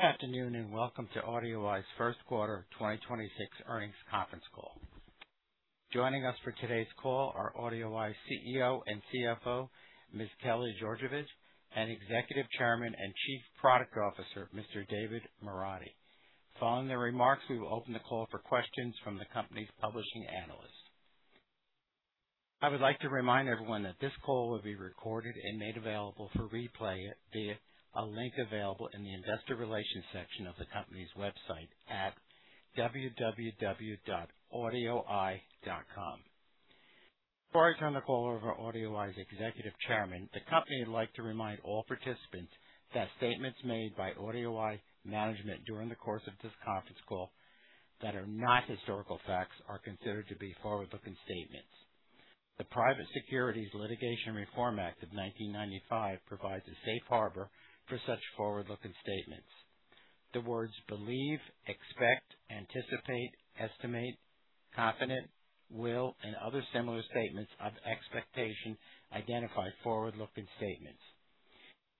Good afternoon, and welcome to AudioEye's first quarter 2026 earnings conference call. Joining us for today's call are AudioEye CEO and CFO Ms. Kelly Georgevich and Executive Chairman and Chief Product Officer Mr. David Moradi. Following their remarks, we will open the call for questions from the company's publishing analysts. I would like to remind everyone that this call will be recorded and made available for replay via a link available in the investor relations section of the company's website at www.audioeye.com. Before I turn the call over to AudioEye's Executive Chairman, the company would like to remind all participants that statements made by AudioEye management during the course of this conference call that are not historical facts are considered to be forward-looking statements. The Private Securities Litigation Reform Act of 1995 provides a safe harbor for such forward-looking statements. The words "believe," "expect," "anticipate," "estimate," "confident," "will," and other similar statements of expectation identify forward-looking statements.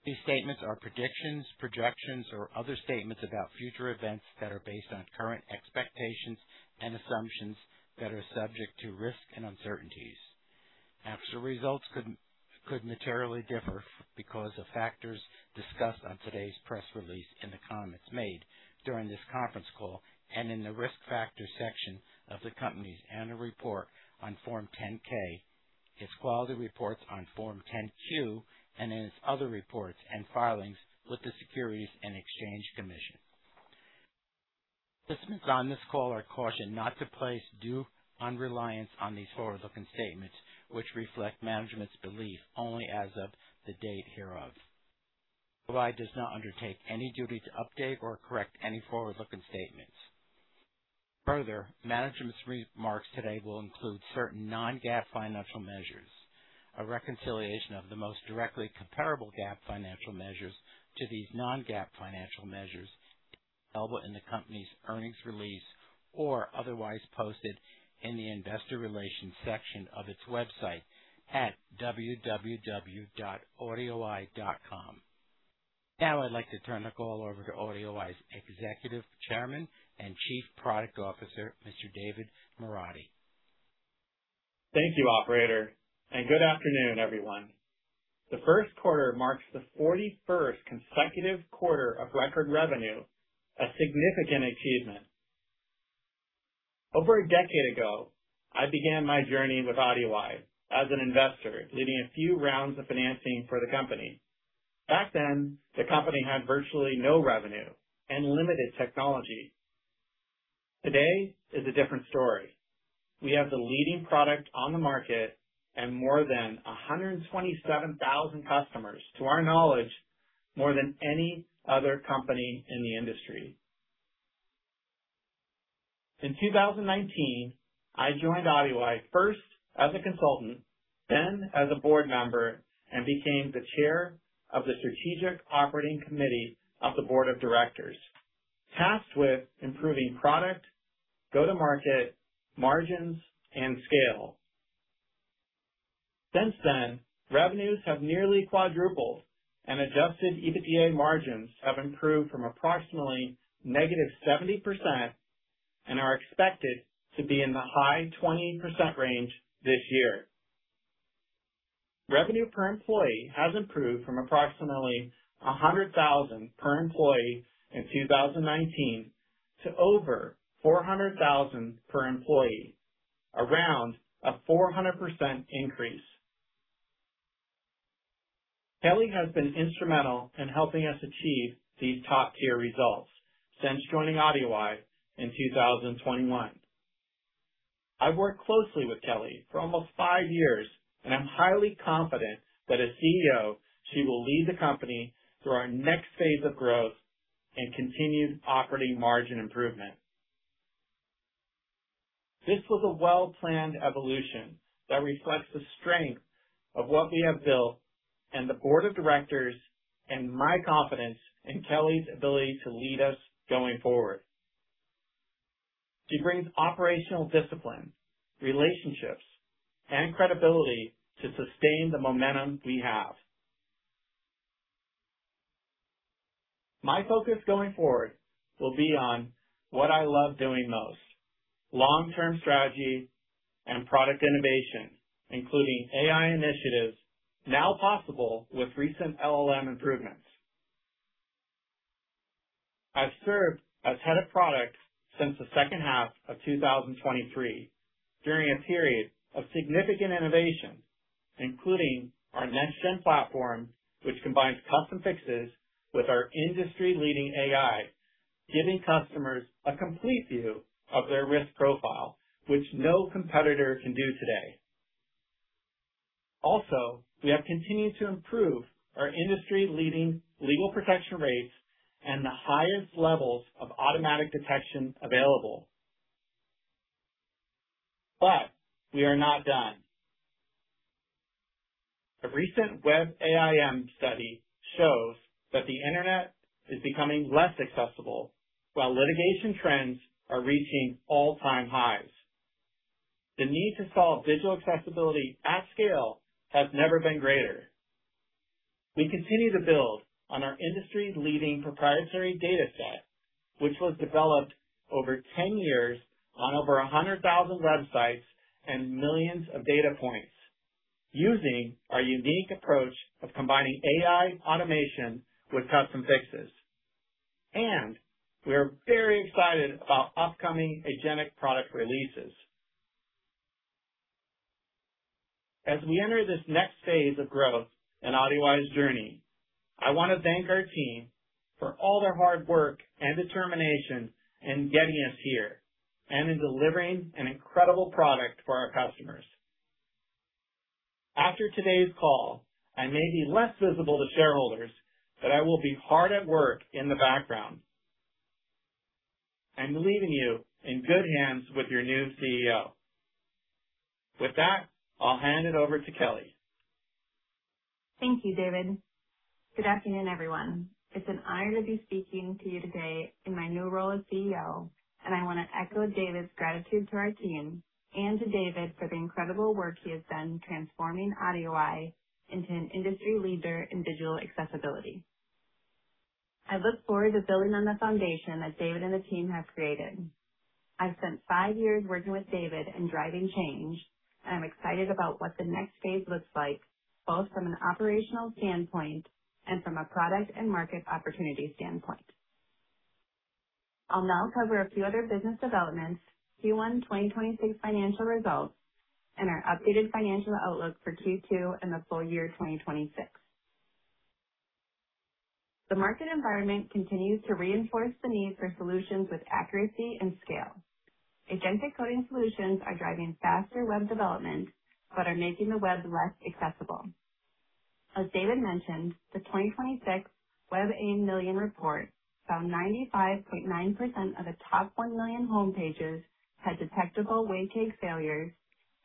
These statements are predictions, projections, or other statements about future events that are based on current expectations and assumptions that are subject to risk and uncertainties. Actual results could materially differ because of factors discussed on today's press release, in the comments made during this conference call, and in the Risk Factors section of the company's annual report on Form 10-K, its quarterly reports on Form 10-Q, and in its other reports and filings with the Securities and Exchange Commission. Participants on this call are cautioned not to place due on reliance on these forward-looking statements, which reflect management's belief only as of the date hereof. AudioEye does not undertake any duty to update or correct any forward-looking statements. Management's remarks today will include certain non-GAAP financial measures. A reconciliation of the most directly comparable GAAP financial measures to these non-GAAP financial measures is available in the company's earnings release or otherwise posted in the investor relations section of its website at www.audioeye.com. I'd like to turn the call over to AudioEye's executive chairman and chief product officer, Mr. David Moradi. Thank you, operator, and good afternoon, everyone. The first quarter marks the 41st consecutive quarter of record revenue, a significant achievement. Over a decade ago, I began my journey with AudioEye as an investor, leading a few rounds of financing for the company. Back then, the company had virtually no revenue and limited technology. Today is a different story. We have the leading product on the market and more than 127,000 customers, to our knowledge, more than any other company in the industry. In 2019, I joined AudioEye first as a consultant, then as a board member, and became the chair of the Strategic Operating Committee of the Board of Directors, tasked with improving product, go-to-market, margins, and scale. Since then, revenues have nearly quadrupled, and adjusted EBITDA margins have improved from approximately negative 70% and are expected to be in the high 20% range this year. Revenue per employee has improved from approximately $100,000 per employee in 2019 to over $400,000 per employee, around a 400% increase. Kelly has been instrumental in helping us achieve these top-tier results since joining AudioEye in 2021. I've worked closely with Kelly for almost five years, and I'm highly confident that as CEO, she will lead the company through our next phase of growth and continued operating margin improvement. This was a well-planned evolution that reflects the strength of what we have built and the board of directors and my confidence in Kelly's ability to lead us going forward. She brings operational discipline, relationships, and credibility to sustain the momentum we have. My focus going forward will be on what I love doing most, long-term strategy and product innovation, including AI initiatives now possible with recent LLM improvements. I've served as head of product since the second half of 2023 during a period of significant innovation, including our next-gen platform, which combines custom fixes with our industry-leading AI, giving customers a complete view of their risk profile, which no competitor can do today. Also, we have continued to improve our industry-leading legal protection rates and the highest levels of automatic detection available. We are not done. The recent WebAIM study shows that the internet is becoming less accessible while litigation trends are reaching all-time highs. The need to solve digital accessibility at scale has never been greater. We continue to build on our industry-leading proprietary data set, which was developed over 10 years on over 100,000 websites and millions of data points using our unique approach of combining AI automation with custom fixes. We are very excited about upcoming agentic product releases. As we enter this next phase of growth in AudioEye's journey, I want to thank our team for all their hard work and determination in getting us here and in delivering an incredible product for our customers. After today's call, I may be less visible to shareholders, but I will be hard at work in the background. I'm leaving you in good hands with your new CEO. With that, I'll hand it over to Kelly. Thank you, David. Good afternoon, everyone. It's an honor to be speaking to you today in my new role as CEO, and I want to echo David's gratitude to our team and to David for the incredible work he has done transforming AudioEye into an industry leader in digital accessibility. I look forward to building on the foundation that David and the team have created. I've spent five years working with David in driving change, and I'm excited about what the next phase looks like, both from an operational standpoint and from a product and market opportunity standpoint. I'll now cover a few other business developments, Q1 2026 financial results, and our updated financial outlook for Q2 and the full year 2026. The market environment continues to reinforce the need for solutions with accuracy and scale. Agentic coding solutions are driving faster web development but are making the web less accessible. As David Moradi mentioned, the 2026 WebAIM Million report found 95.9% of the top 1 million home pages had detectable WCAG failures,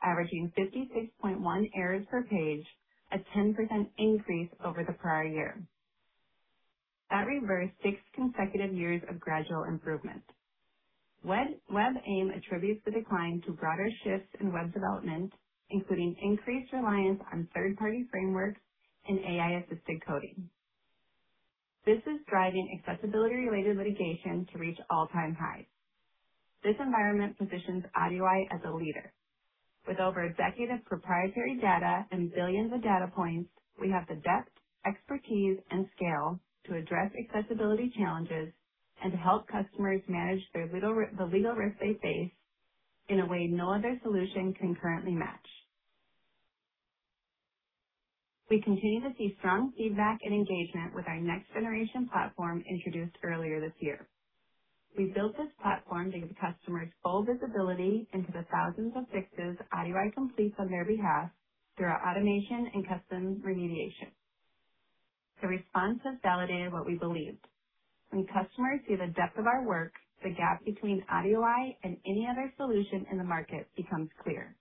averaging 56.1 errors per page, a 10% increase over the prior year. That reversed six consecutive years of gradual improvement. WebAIM attributes the decline to broader shifts in web development, including increased reliance on third-party frameworks and AI-assisted coding. This is driving accessibility-related litigation to reach all-time highs. This environment positions AudioEye as a leader. With over a decade of proprietary data and billions of data points, we have the depth, expertise, and scale to address accessibility challenges and to help customers manage the legal risk they face in a way no other solution can currently match. We continue to see strong feedback and engagement with our next-generation platform introduced earlier this year. We built this platform to give customers full visibility into the thousands of fixes AudioEye completes on their behalf through our automation and custom remediation. The response has validated what we believed. When customers see the depth of our work, the gap between AudioEye and any other solution in the market becomes clear.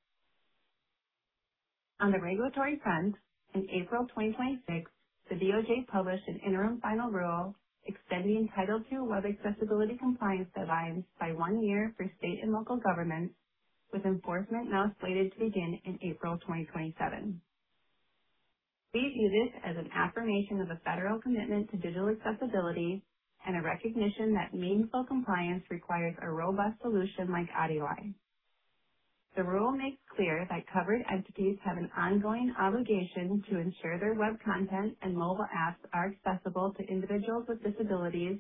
On the regulatory front, in April 2026, the DOJ published an interim final rule extending Title II web accessibility compliance deadlines by one year for state and local governments, with enforcement now slated to begin in April 2027. We view this as an affirmation of the federal commitment to digital accessibility and a recognition that meaningful compliance requires a robust solution like AudioEye. The rule makes clear that covered entities have an ongoing obligation to ensure their web content and mobile apps are accessible to individuals with disabilities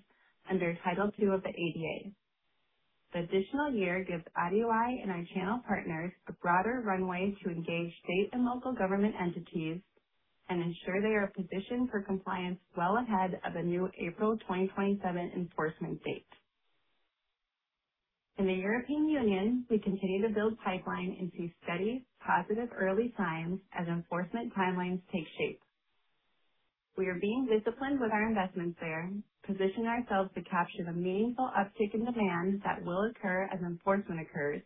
under Title II of the ADA. The additional year gives AudioEye and our channel partners a broader runway to engage state and local government entities and ensure they are positioned for compliance well ahead of the new April 2027 enforcement date. In the European Union, we continue to build pipelines and see steady, positive early signs as enforcement timelines take shape. We are being disciplined with our investments there, positioning ourselves to capture the meaningful uptick in demand that will occur as enforcement occurs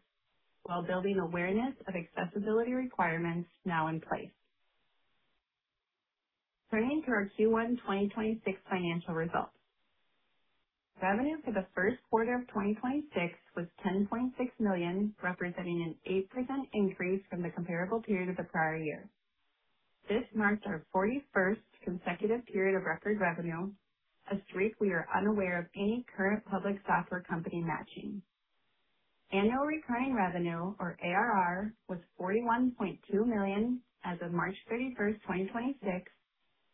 while building awareness of accessibility requirements now in place. Turning to our Q1 2026 financial results. Revenue for the first quarter of 2026 was $10.6 million, representing an 8% increase from the comparable period of the prior year. This marks our 41st consecutive period of record revenue, a streak we are unaware of any current public software company matching. Annual recurring revenue, or ARR, was $41.2 million as of March 31st, 2026,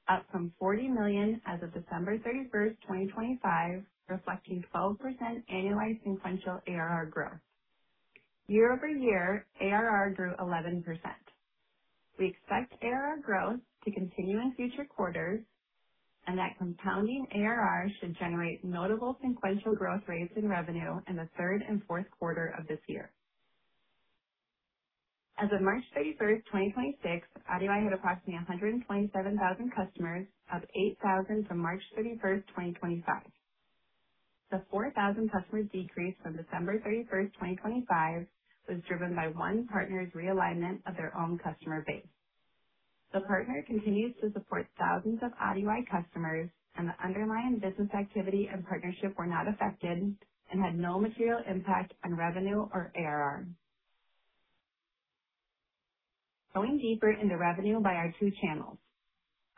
up from $40 million as of December 31st, 2025, reflecting 12% annualized sequential ARR growth. Year-over-year, ARR grew 11%. We expect ARR growth to continue in future quarters, and that compounding ARR should generate notable sequential growth rates in revenue in the third and fourth quarters of this year. As of March 31st, 2026, AudioEye had approximately 127,000 customers, up 8,000 from March 31st, 2025. The 4,000 customer decrease from December thirty-first, 2025, was driven by one partner's realignment of their own customer base. The partner continues to support thousands of AudioEye customers, and the underlying business activity and partnership were not affected and had no material impact on revenue or ARR. Going deeper into revenue by our two channels.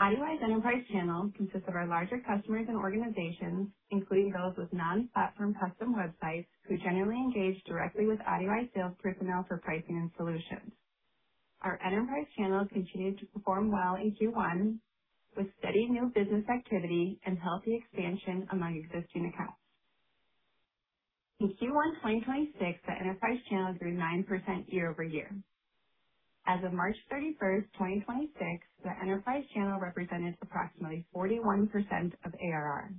AudioEye's enterprise channel consists of our larger customers and organizations, including those with non-platform custom websites, who generally engage directly with AudioEye sales personnel for pricing and solutions. Our enterprise channel continued to perform well in Q1 with steady new business activity and healthy expansion among existing accounts. In Q1 2026, the enterprise channel grew 9% year-over-year. As of March 31st, 2026, the enterprise channel represented approximately 41% of ARR.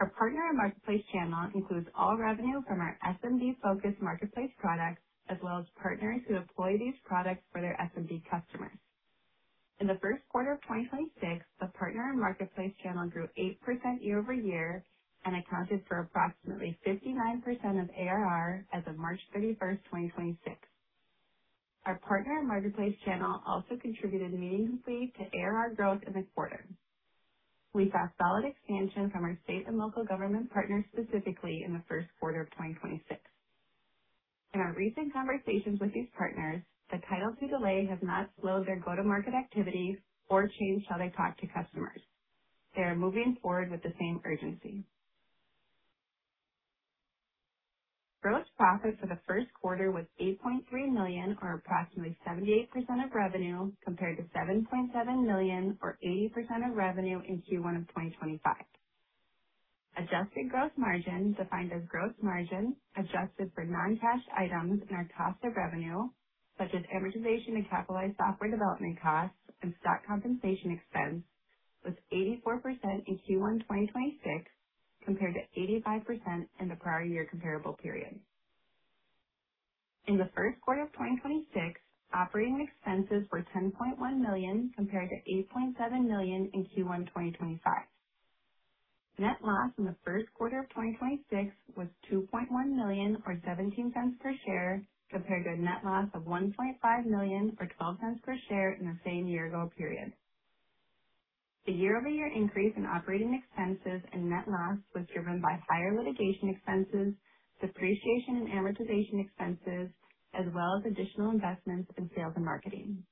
Our partner and marketplace channel includes all revenue from our SMB-focused marketplace products, as well as partners who employ these products for their SMB customers. In the first quarter of 2026, the partner and marketplace channels grew 8% year-over-year and accounted for approximately 59% of ARR as of March 31st, 2026. Our partner and marketplace channel also contributed meaningfully to ARR growth in the quarter. We saw solid expansion from our state and local government partners, specifically in the first quarter of 2026. In our recent conversations with these partners, the Title II delay has not slowed their go-to-market activities or changed how they talk to customers. They are moving forward with the same urgency. Gross profit for the first quarter was $8.3 million, or approximately 78% of revenue, compared to $7.7 million, or 80% of revenue, in Q1 2025. Adjusted gross margin, defined as gross margin adjusted for non-cash items in our cost of revenue, such as amortization and capitalized software development costs and stock compensation expense, was 84% in Q1 2026, compared to 85% in the prior year comparable period. In the first quarter of 2026, operating expenses were $10.1 million compared to $8.7 million in Q1 2025. Net loss in the first quarter of 2026 was $2.1 million, or $0.17 per share, compared to a net loss of $1.5 million, or $0.12 per share in the same year-ago period. The year-over-year increase in operating expenses and net loss was driven by higher litigation expenses, depreciation and amortization expenses, as well as additional investments in sales and marketing.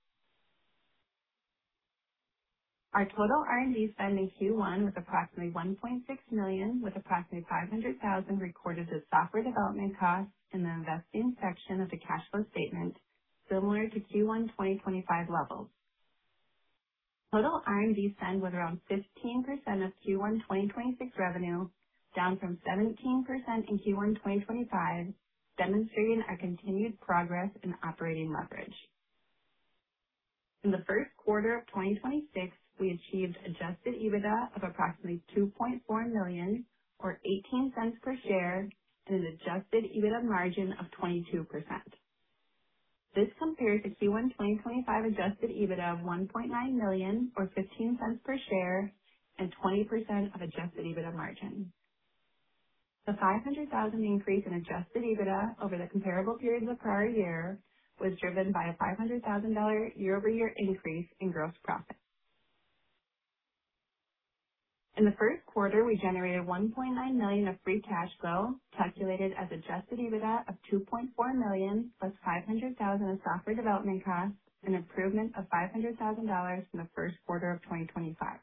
Our total R&D spend in Q1 was approximately $1.6 million, with approximately $500,000 recorded as software development costs in the investing section of the cash flow statement, similar to Q1 2025 levels. Total R&D spend was around 15% of Q1 2026 revenue, down from 17% in Q1 2025, demonstrating our continued progress in operating leverage. In the first quarter of 2026, we achieved adjusted EBITDA of approximately $2.4 million, or $0.18 per share, and an adjusted EBITDA margin of 22%. This compares to Q1 2025 adjusted EBITDA of $1.9 million or $0.15 per share and 20% of adjusted EBITDA margin. The $500,000 increase in adjusted EBITDA over the comparable period of the prior year was driven by a $500,000 year-over-year increase in gross profit. In the first quarter, we generated $1.9 million of free cash flow, calculated as adjusted EBITDA of $2.4 million plus $500,000 in software development costs, an improvement of $500,000 in the first quarter of 2025.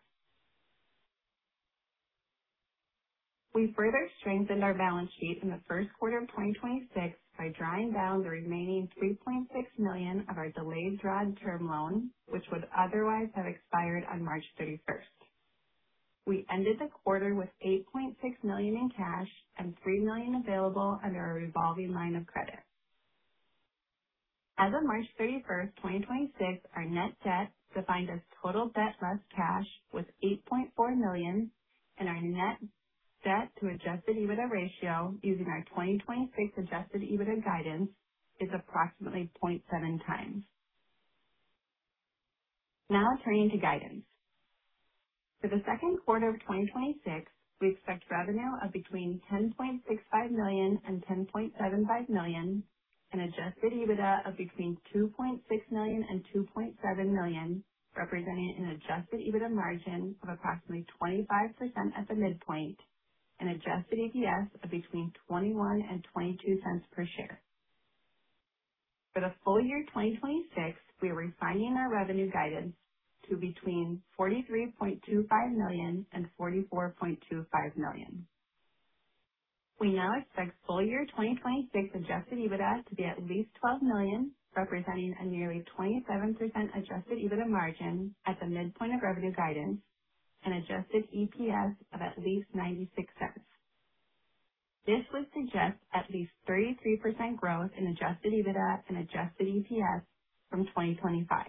We further strengthened our balance sheet in the first quarter of 2026 by drawing down the remaining $3.6 million of our delayed draw term loan, which would otherwise have expired on March 31st. We ended the quarter with $8.6 million in cash and $3 million available under a revolving line of credit. As of March 31st, 2026, our net debt, defined as total debt less cash, was $8.4 million, and our net debt to adjusted EBITDA ratio using our 2026 adjusted EBITDA guidance is approximately 0.7 times. Turning to guidance. For the second quarter of 2026, we expect revenue of between $10.65 million and $10.75 million, an adjusted EBITDA of between $2.6 million and $2.7 million, representing an adjusted EBITDA margin of approximately 25% at the midpoint, and adjusted EPS of between $0.21 and $0.22 per share. For the full year 2026, we are refining our revenue guidance to between $43.25 million and $44.25 million. We now expect full year 2026 adjusted EBITDA to be at least $12 million, representing a nearly 27% adjusted EBITDA margin at the midpoint of revenue guidance and adjusted EPS of at least $0.96. This would suggest at least 33% growth in adjusted EBITDA and adjusted EPS from 2025.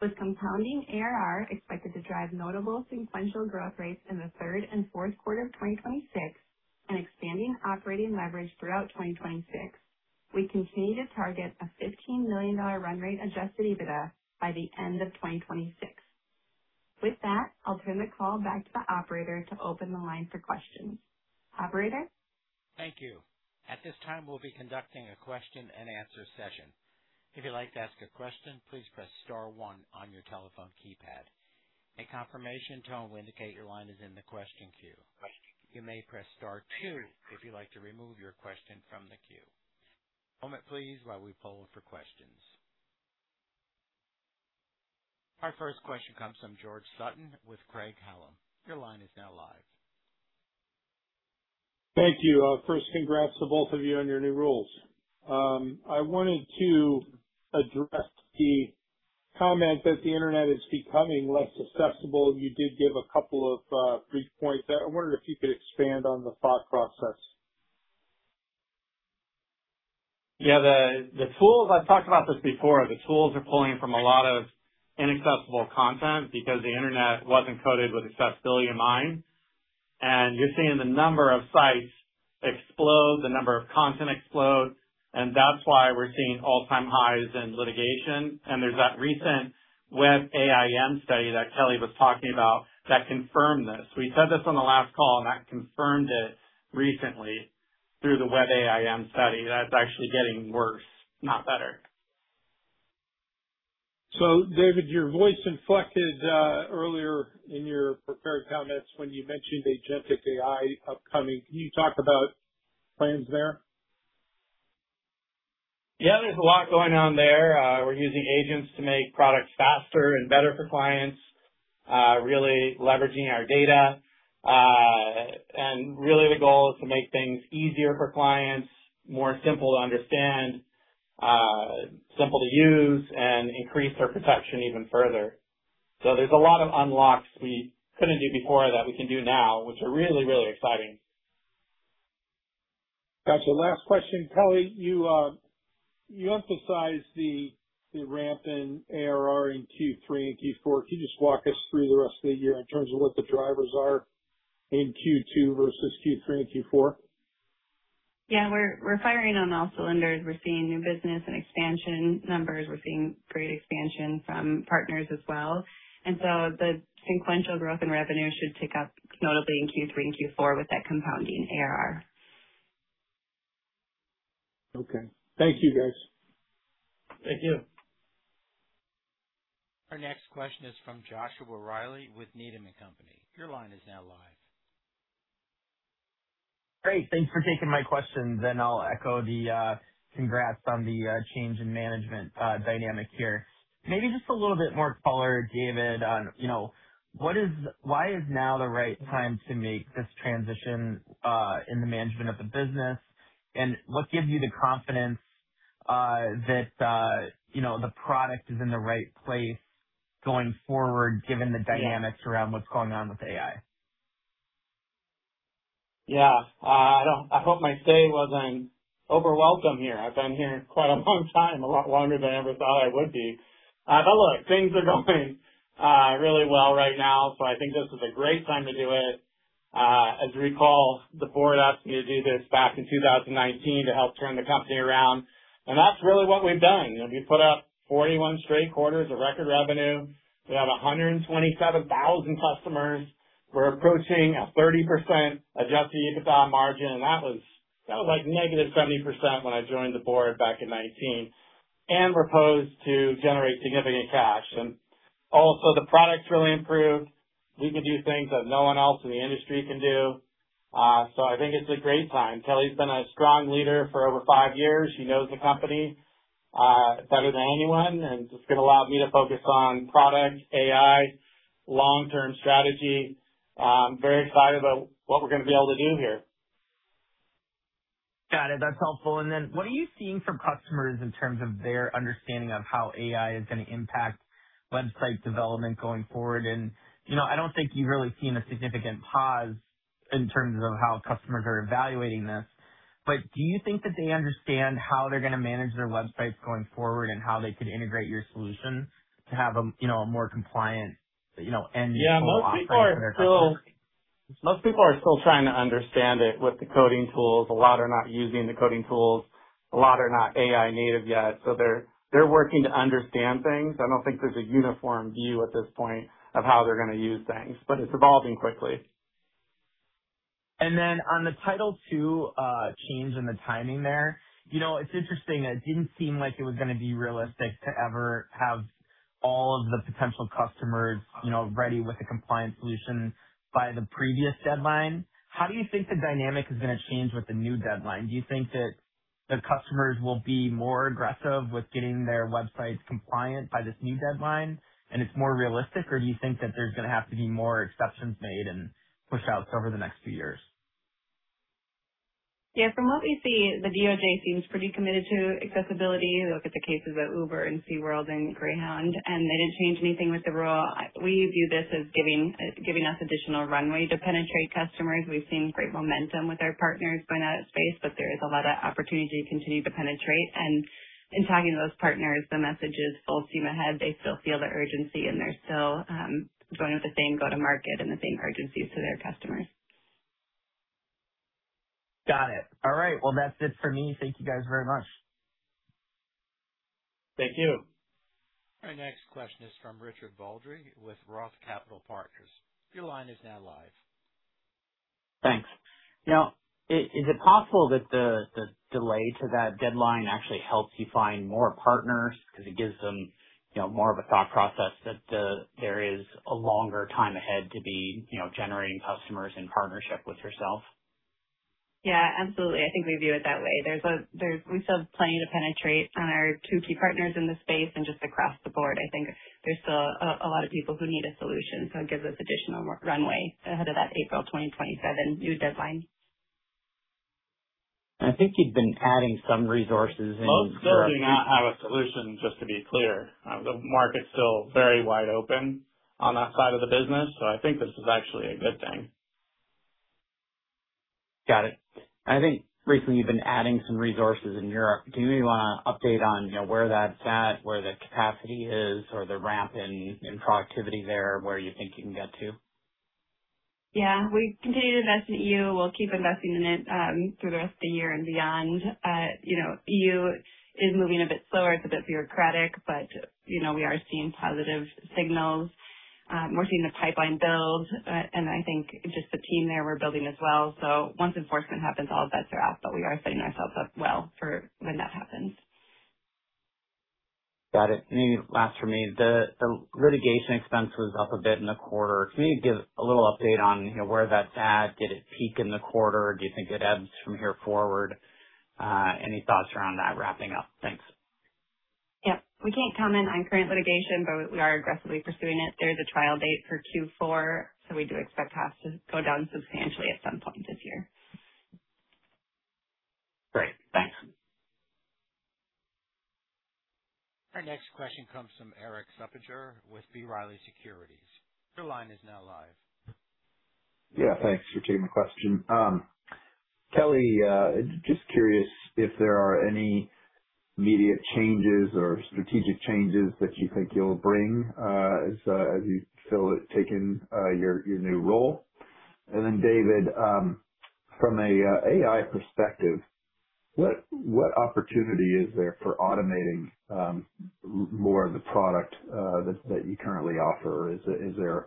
With compounding ARR expected to drive notable sequential growth rates in the third and fourth quarter of 2026 and expanding operating leverage throughout 2026, we continue to target a $15 million run rate adjusted EBITDA by the end of 2026. With that, I'll turn the call back to the operator to open the line for questions. Operator? Thank you. At this time, we'll be conducting a question and answer session. If you'd like to ask a question, please press star one on your telephone keypad. A confirmation tone will indicate your line is in the question queue. You may press star two if you'd like to remove your question from the queue. One moment, please, while we poll for questions. Our first question comes from George Sutton with Craig-Hallum. Your line is now live. Thank you. First, congrats to both of you on your new roles. I wanted to address the comment that the Internet is becoming less accessible. You did give a couple of brief points there. I wondered if you could expand on the thought process. Yeah, the tools. I've talked about this before. The tools are pulling from a lot of inaccessible content because the Internet wasn't coded with accessibility in mind. You're seeing the number of sites explode, the number of content explode, and that's why we're seeing all-time highs in litigation. There's that recent WebAIM study that Kelly was talking about that confirmed this. We said this on the last call, and that confirmed it recently through the WebAIM study that it's actually getting worse, not better. David, your voice inflected earlier in your prepared comments when you mentioned agentic AI upcoming. Can you talk about plans there? Yeah, there's a lot going on there. We're using agents to make products faster and better for clients, really leveraging our data. Really, the goal is to make things easier for clients, more simple to understand, simple to use, and increase their protection even further. There's a lot of unlocks we couldn't do before that we can do now, which are really, really exciting. Gotcha. Last question. Kelly, you emphasized the ramp in ARR in Q3 and Q4. Can you just walk us through the rest of the year in terms of what the drivers are in Q2 versus Q3 and Q4? Yeah. We're firing on all cylinders. We're seeing new business and expansion numbers. We're seeing great expansion from partners as well. The sequential growth in revenue should pick up notably in Q3 and Q4 with that compounding ARR. Okay. Thank you, guys. Thank you. Our next question is from Joshua Reilly with Needham & Company. Your line is now live. Great. Thanks for taking my questions. I'll echo the congrats on the change in management dynamic here. Maybe just a little bit more color, David, on, you know, why is now the right time to make this transition in the management of the business? What gives you the confidence that, you know, the product is in the right place going forward, given the dynamics around what's going on with AI? Yeah. I hope my stay wasn't overwelcome here. I've been here quite a long time, a lot longer than I ever thought I would be. Look, things are going really well right now, so I think this is a great time to do it. As you recall, the board asked me to do this back in 2019 to help turn the company around, and that's really what we've done. You know, we put up 41 straight quarters of record revenue. We have 127,000 customers. We're approaching a 30% adjusted EBITDA margin, and that was like negative 70% when I joined the board back in 2019. We're posed to generate significant cash. Also, the product's really improved. We can do things that no one else in the industry can do. I think it's a great time. Kelly's been a strong leader for over five years. She knows the company better than anyone, and it's gonna allow me to focus on product, AI, long-term strategy. Very excited about what we're gonna be able to do here. Got it. That's helpful. Then what are you seeing from customers in terms of their understanding of how AI is gonna impact website development going forward? You know, I don't think you've really seen a significant pause in terms of how customers are evaluating this. Do you think that they understand how they're gonna manage their websites going forward and how they could integrate your solution to have a, you know, a more compliant, you know, end user offering for their customers? Most people are still trying to understand it with the coding tools. A lot are not using the coding tools. A lot are not AI native yet, so they're working to understand things. I don't think there's a uniform view at this point of how they're gonna use things, but it's evolving quickly. On the Title II change in the timing there, you know, it's interesting. It didn't seem like it was gonna be realistic to ever have all of the potential customers, you know, ready with a compliant solution by the previous deadline. How do you think the dynamic is gonna change with the new deadline? Do you think that the customers will be more aggressive with getting their websites compliant by this new deadline, and it's more realistic? Do you think that there's gonna have to be more exceptions made and pushouts over the next few years? Yeah. From what we see, the DOJ seems pretty committed to accessibility. You look at the cases at Uber and SeaWorld and Greyhound, they didn't change anything with the rule. We view this as giving us additional runway to penetrate customers. We've seen great momentum with our partners going out of space, but there is a lot of opportunity to continue to penetrate. In talking to those partners, the messages still seem ahead. They still feel the urgency, and they're still going with the same go-to-market and the same urgency to their customers. Got it. All right, well, that's it for me. Thank you guys very much. Thank you. Our next question is from Richard Baldry with ROTH Capital Partners. Your line is now live. Thanks. Now, is it possible that the delay to that deadline actually helps you find more partners because it gives them, you know, more of a thought process that there is a longer time ahead to be, you know, generating customers in partnership with yourself? Yeah, absolutely. I think we view it that way. We still have plenty to penetrate on our two key partners in the space and just across the board. I think there's still a lot of people who need a solution, so it gives us additional runway ahead of that April 2027 new deadline. I think you've been adding some resources in. Well, still doing our solution, just to be clear. The market's still very wide open on that side of the business, so I think this is actually a good thing. Got it. I think recently you've been adding some resources in Europe. Do you wanna update on, you know, where that's at, where the capacity is or the ramp in productivity there, where you think you can get to? Yeah. We continue to invest in EU. We'll keep investing in it through the rest of the year and beyond. You know, EU is moving a bit slower. It's a bit bureaucratic, but, you know, we are seeing positive signals. We're seeing the pipeline build. And I think just the team there, we're building as well. Once enforcement happens, all bets are off, but we are setting ourselves up well for when that happens. Got it. Maybe last for me, the litigation expense was up a bit in the quarter. Can you give a little update on, you know, where that's at? Did it peak in the quarter? Do you think it ebbs from here forward? Any thoughts around that wrapping up? Thanks. We can't comment on current litigation, but we are aggressively pursuing it. There is a trial date for Q4, so we do expect costs to go down substantially at some point this year. Great. Thanks. Our next question comes from Erik Suppiger with B. Riley Securities. Your line is now live. Yeah, thanks for taking the question. Kelly, just curious if there are any immediate changes or strategic changes that you think you'll bring as you take in your new role. David, from an AI perspective, what opportunity is there for automating more of the product that you currently offer? Is there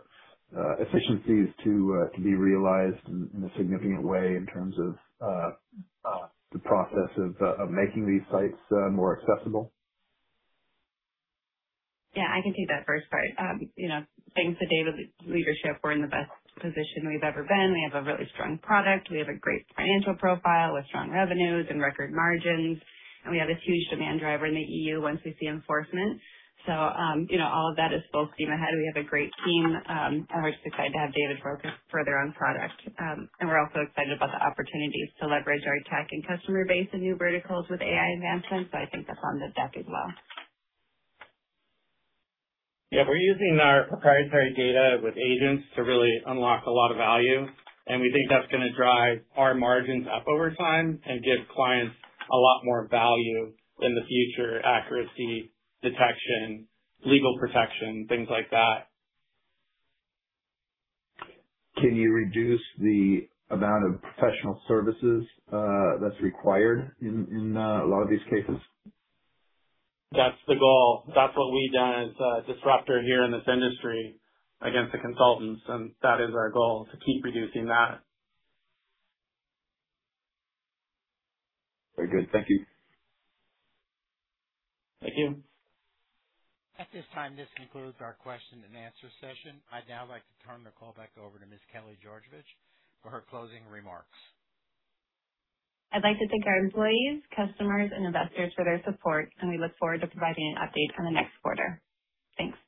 efficiencies to be realized in a significant way in terms of the process of making these sites more accessible? Yeah, I can take that first part. You know, thanks to David's leadership, we're in the best position we've ever been. We have a really strong product. We have a great financial profile with strong revenues and record margins. We have this huge demand driver in the EU once we see enforcement. You know, all of that is full steam ahead. We have a great team. We're just excited to have David focused further on product. We're also excited about the opportunities to leverage our tech and customer base in new verticals with AI advancements. I think that's on the deck as well. Yeah, we're using our proprietary data with agents to really unlock a lot of value, and we think that's gonna drive our margins up over time and give clients a lot more value in the future, accuracy, detection, legal protection, things like that. Can you reduce the amount of professional services that's required in a lot of these cases? That's the goal. That's what we've done as a disruptor here in this industry against the consultants, and that is our goal, to keep reducing that. Very good. Thank you. Thank you. At this time, this concludes our question and answer session. I'd now like to turn the call back over to Ms. Kelly Georgevich for her closing remarks. I'd like to thank our employees, customers, and investors for their support, and we look forward to providing an update on the next quarter. Thanks.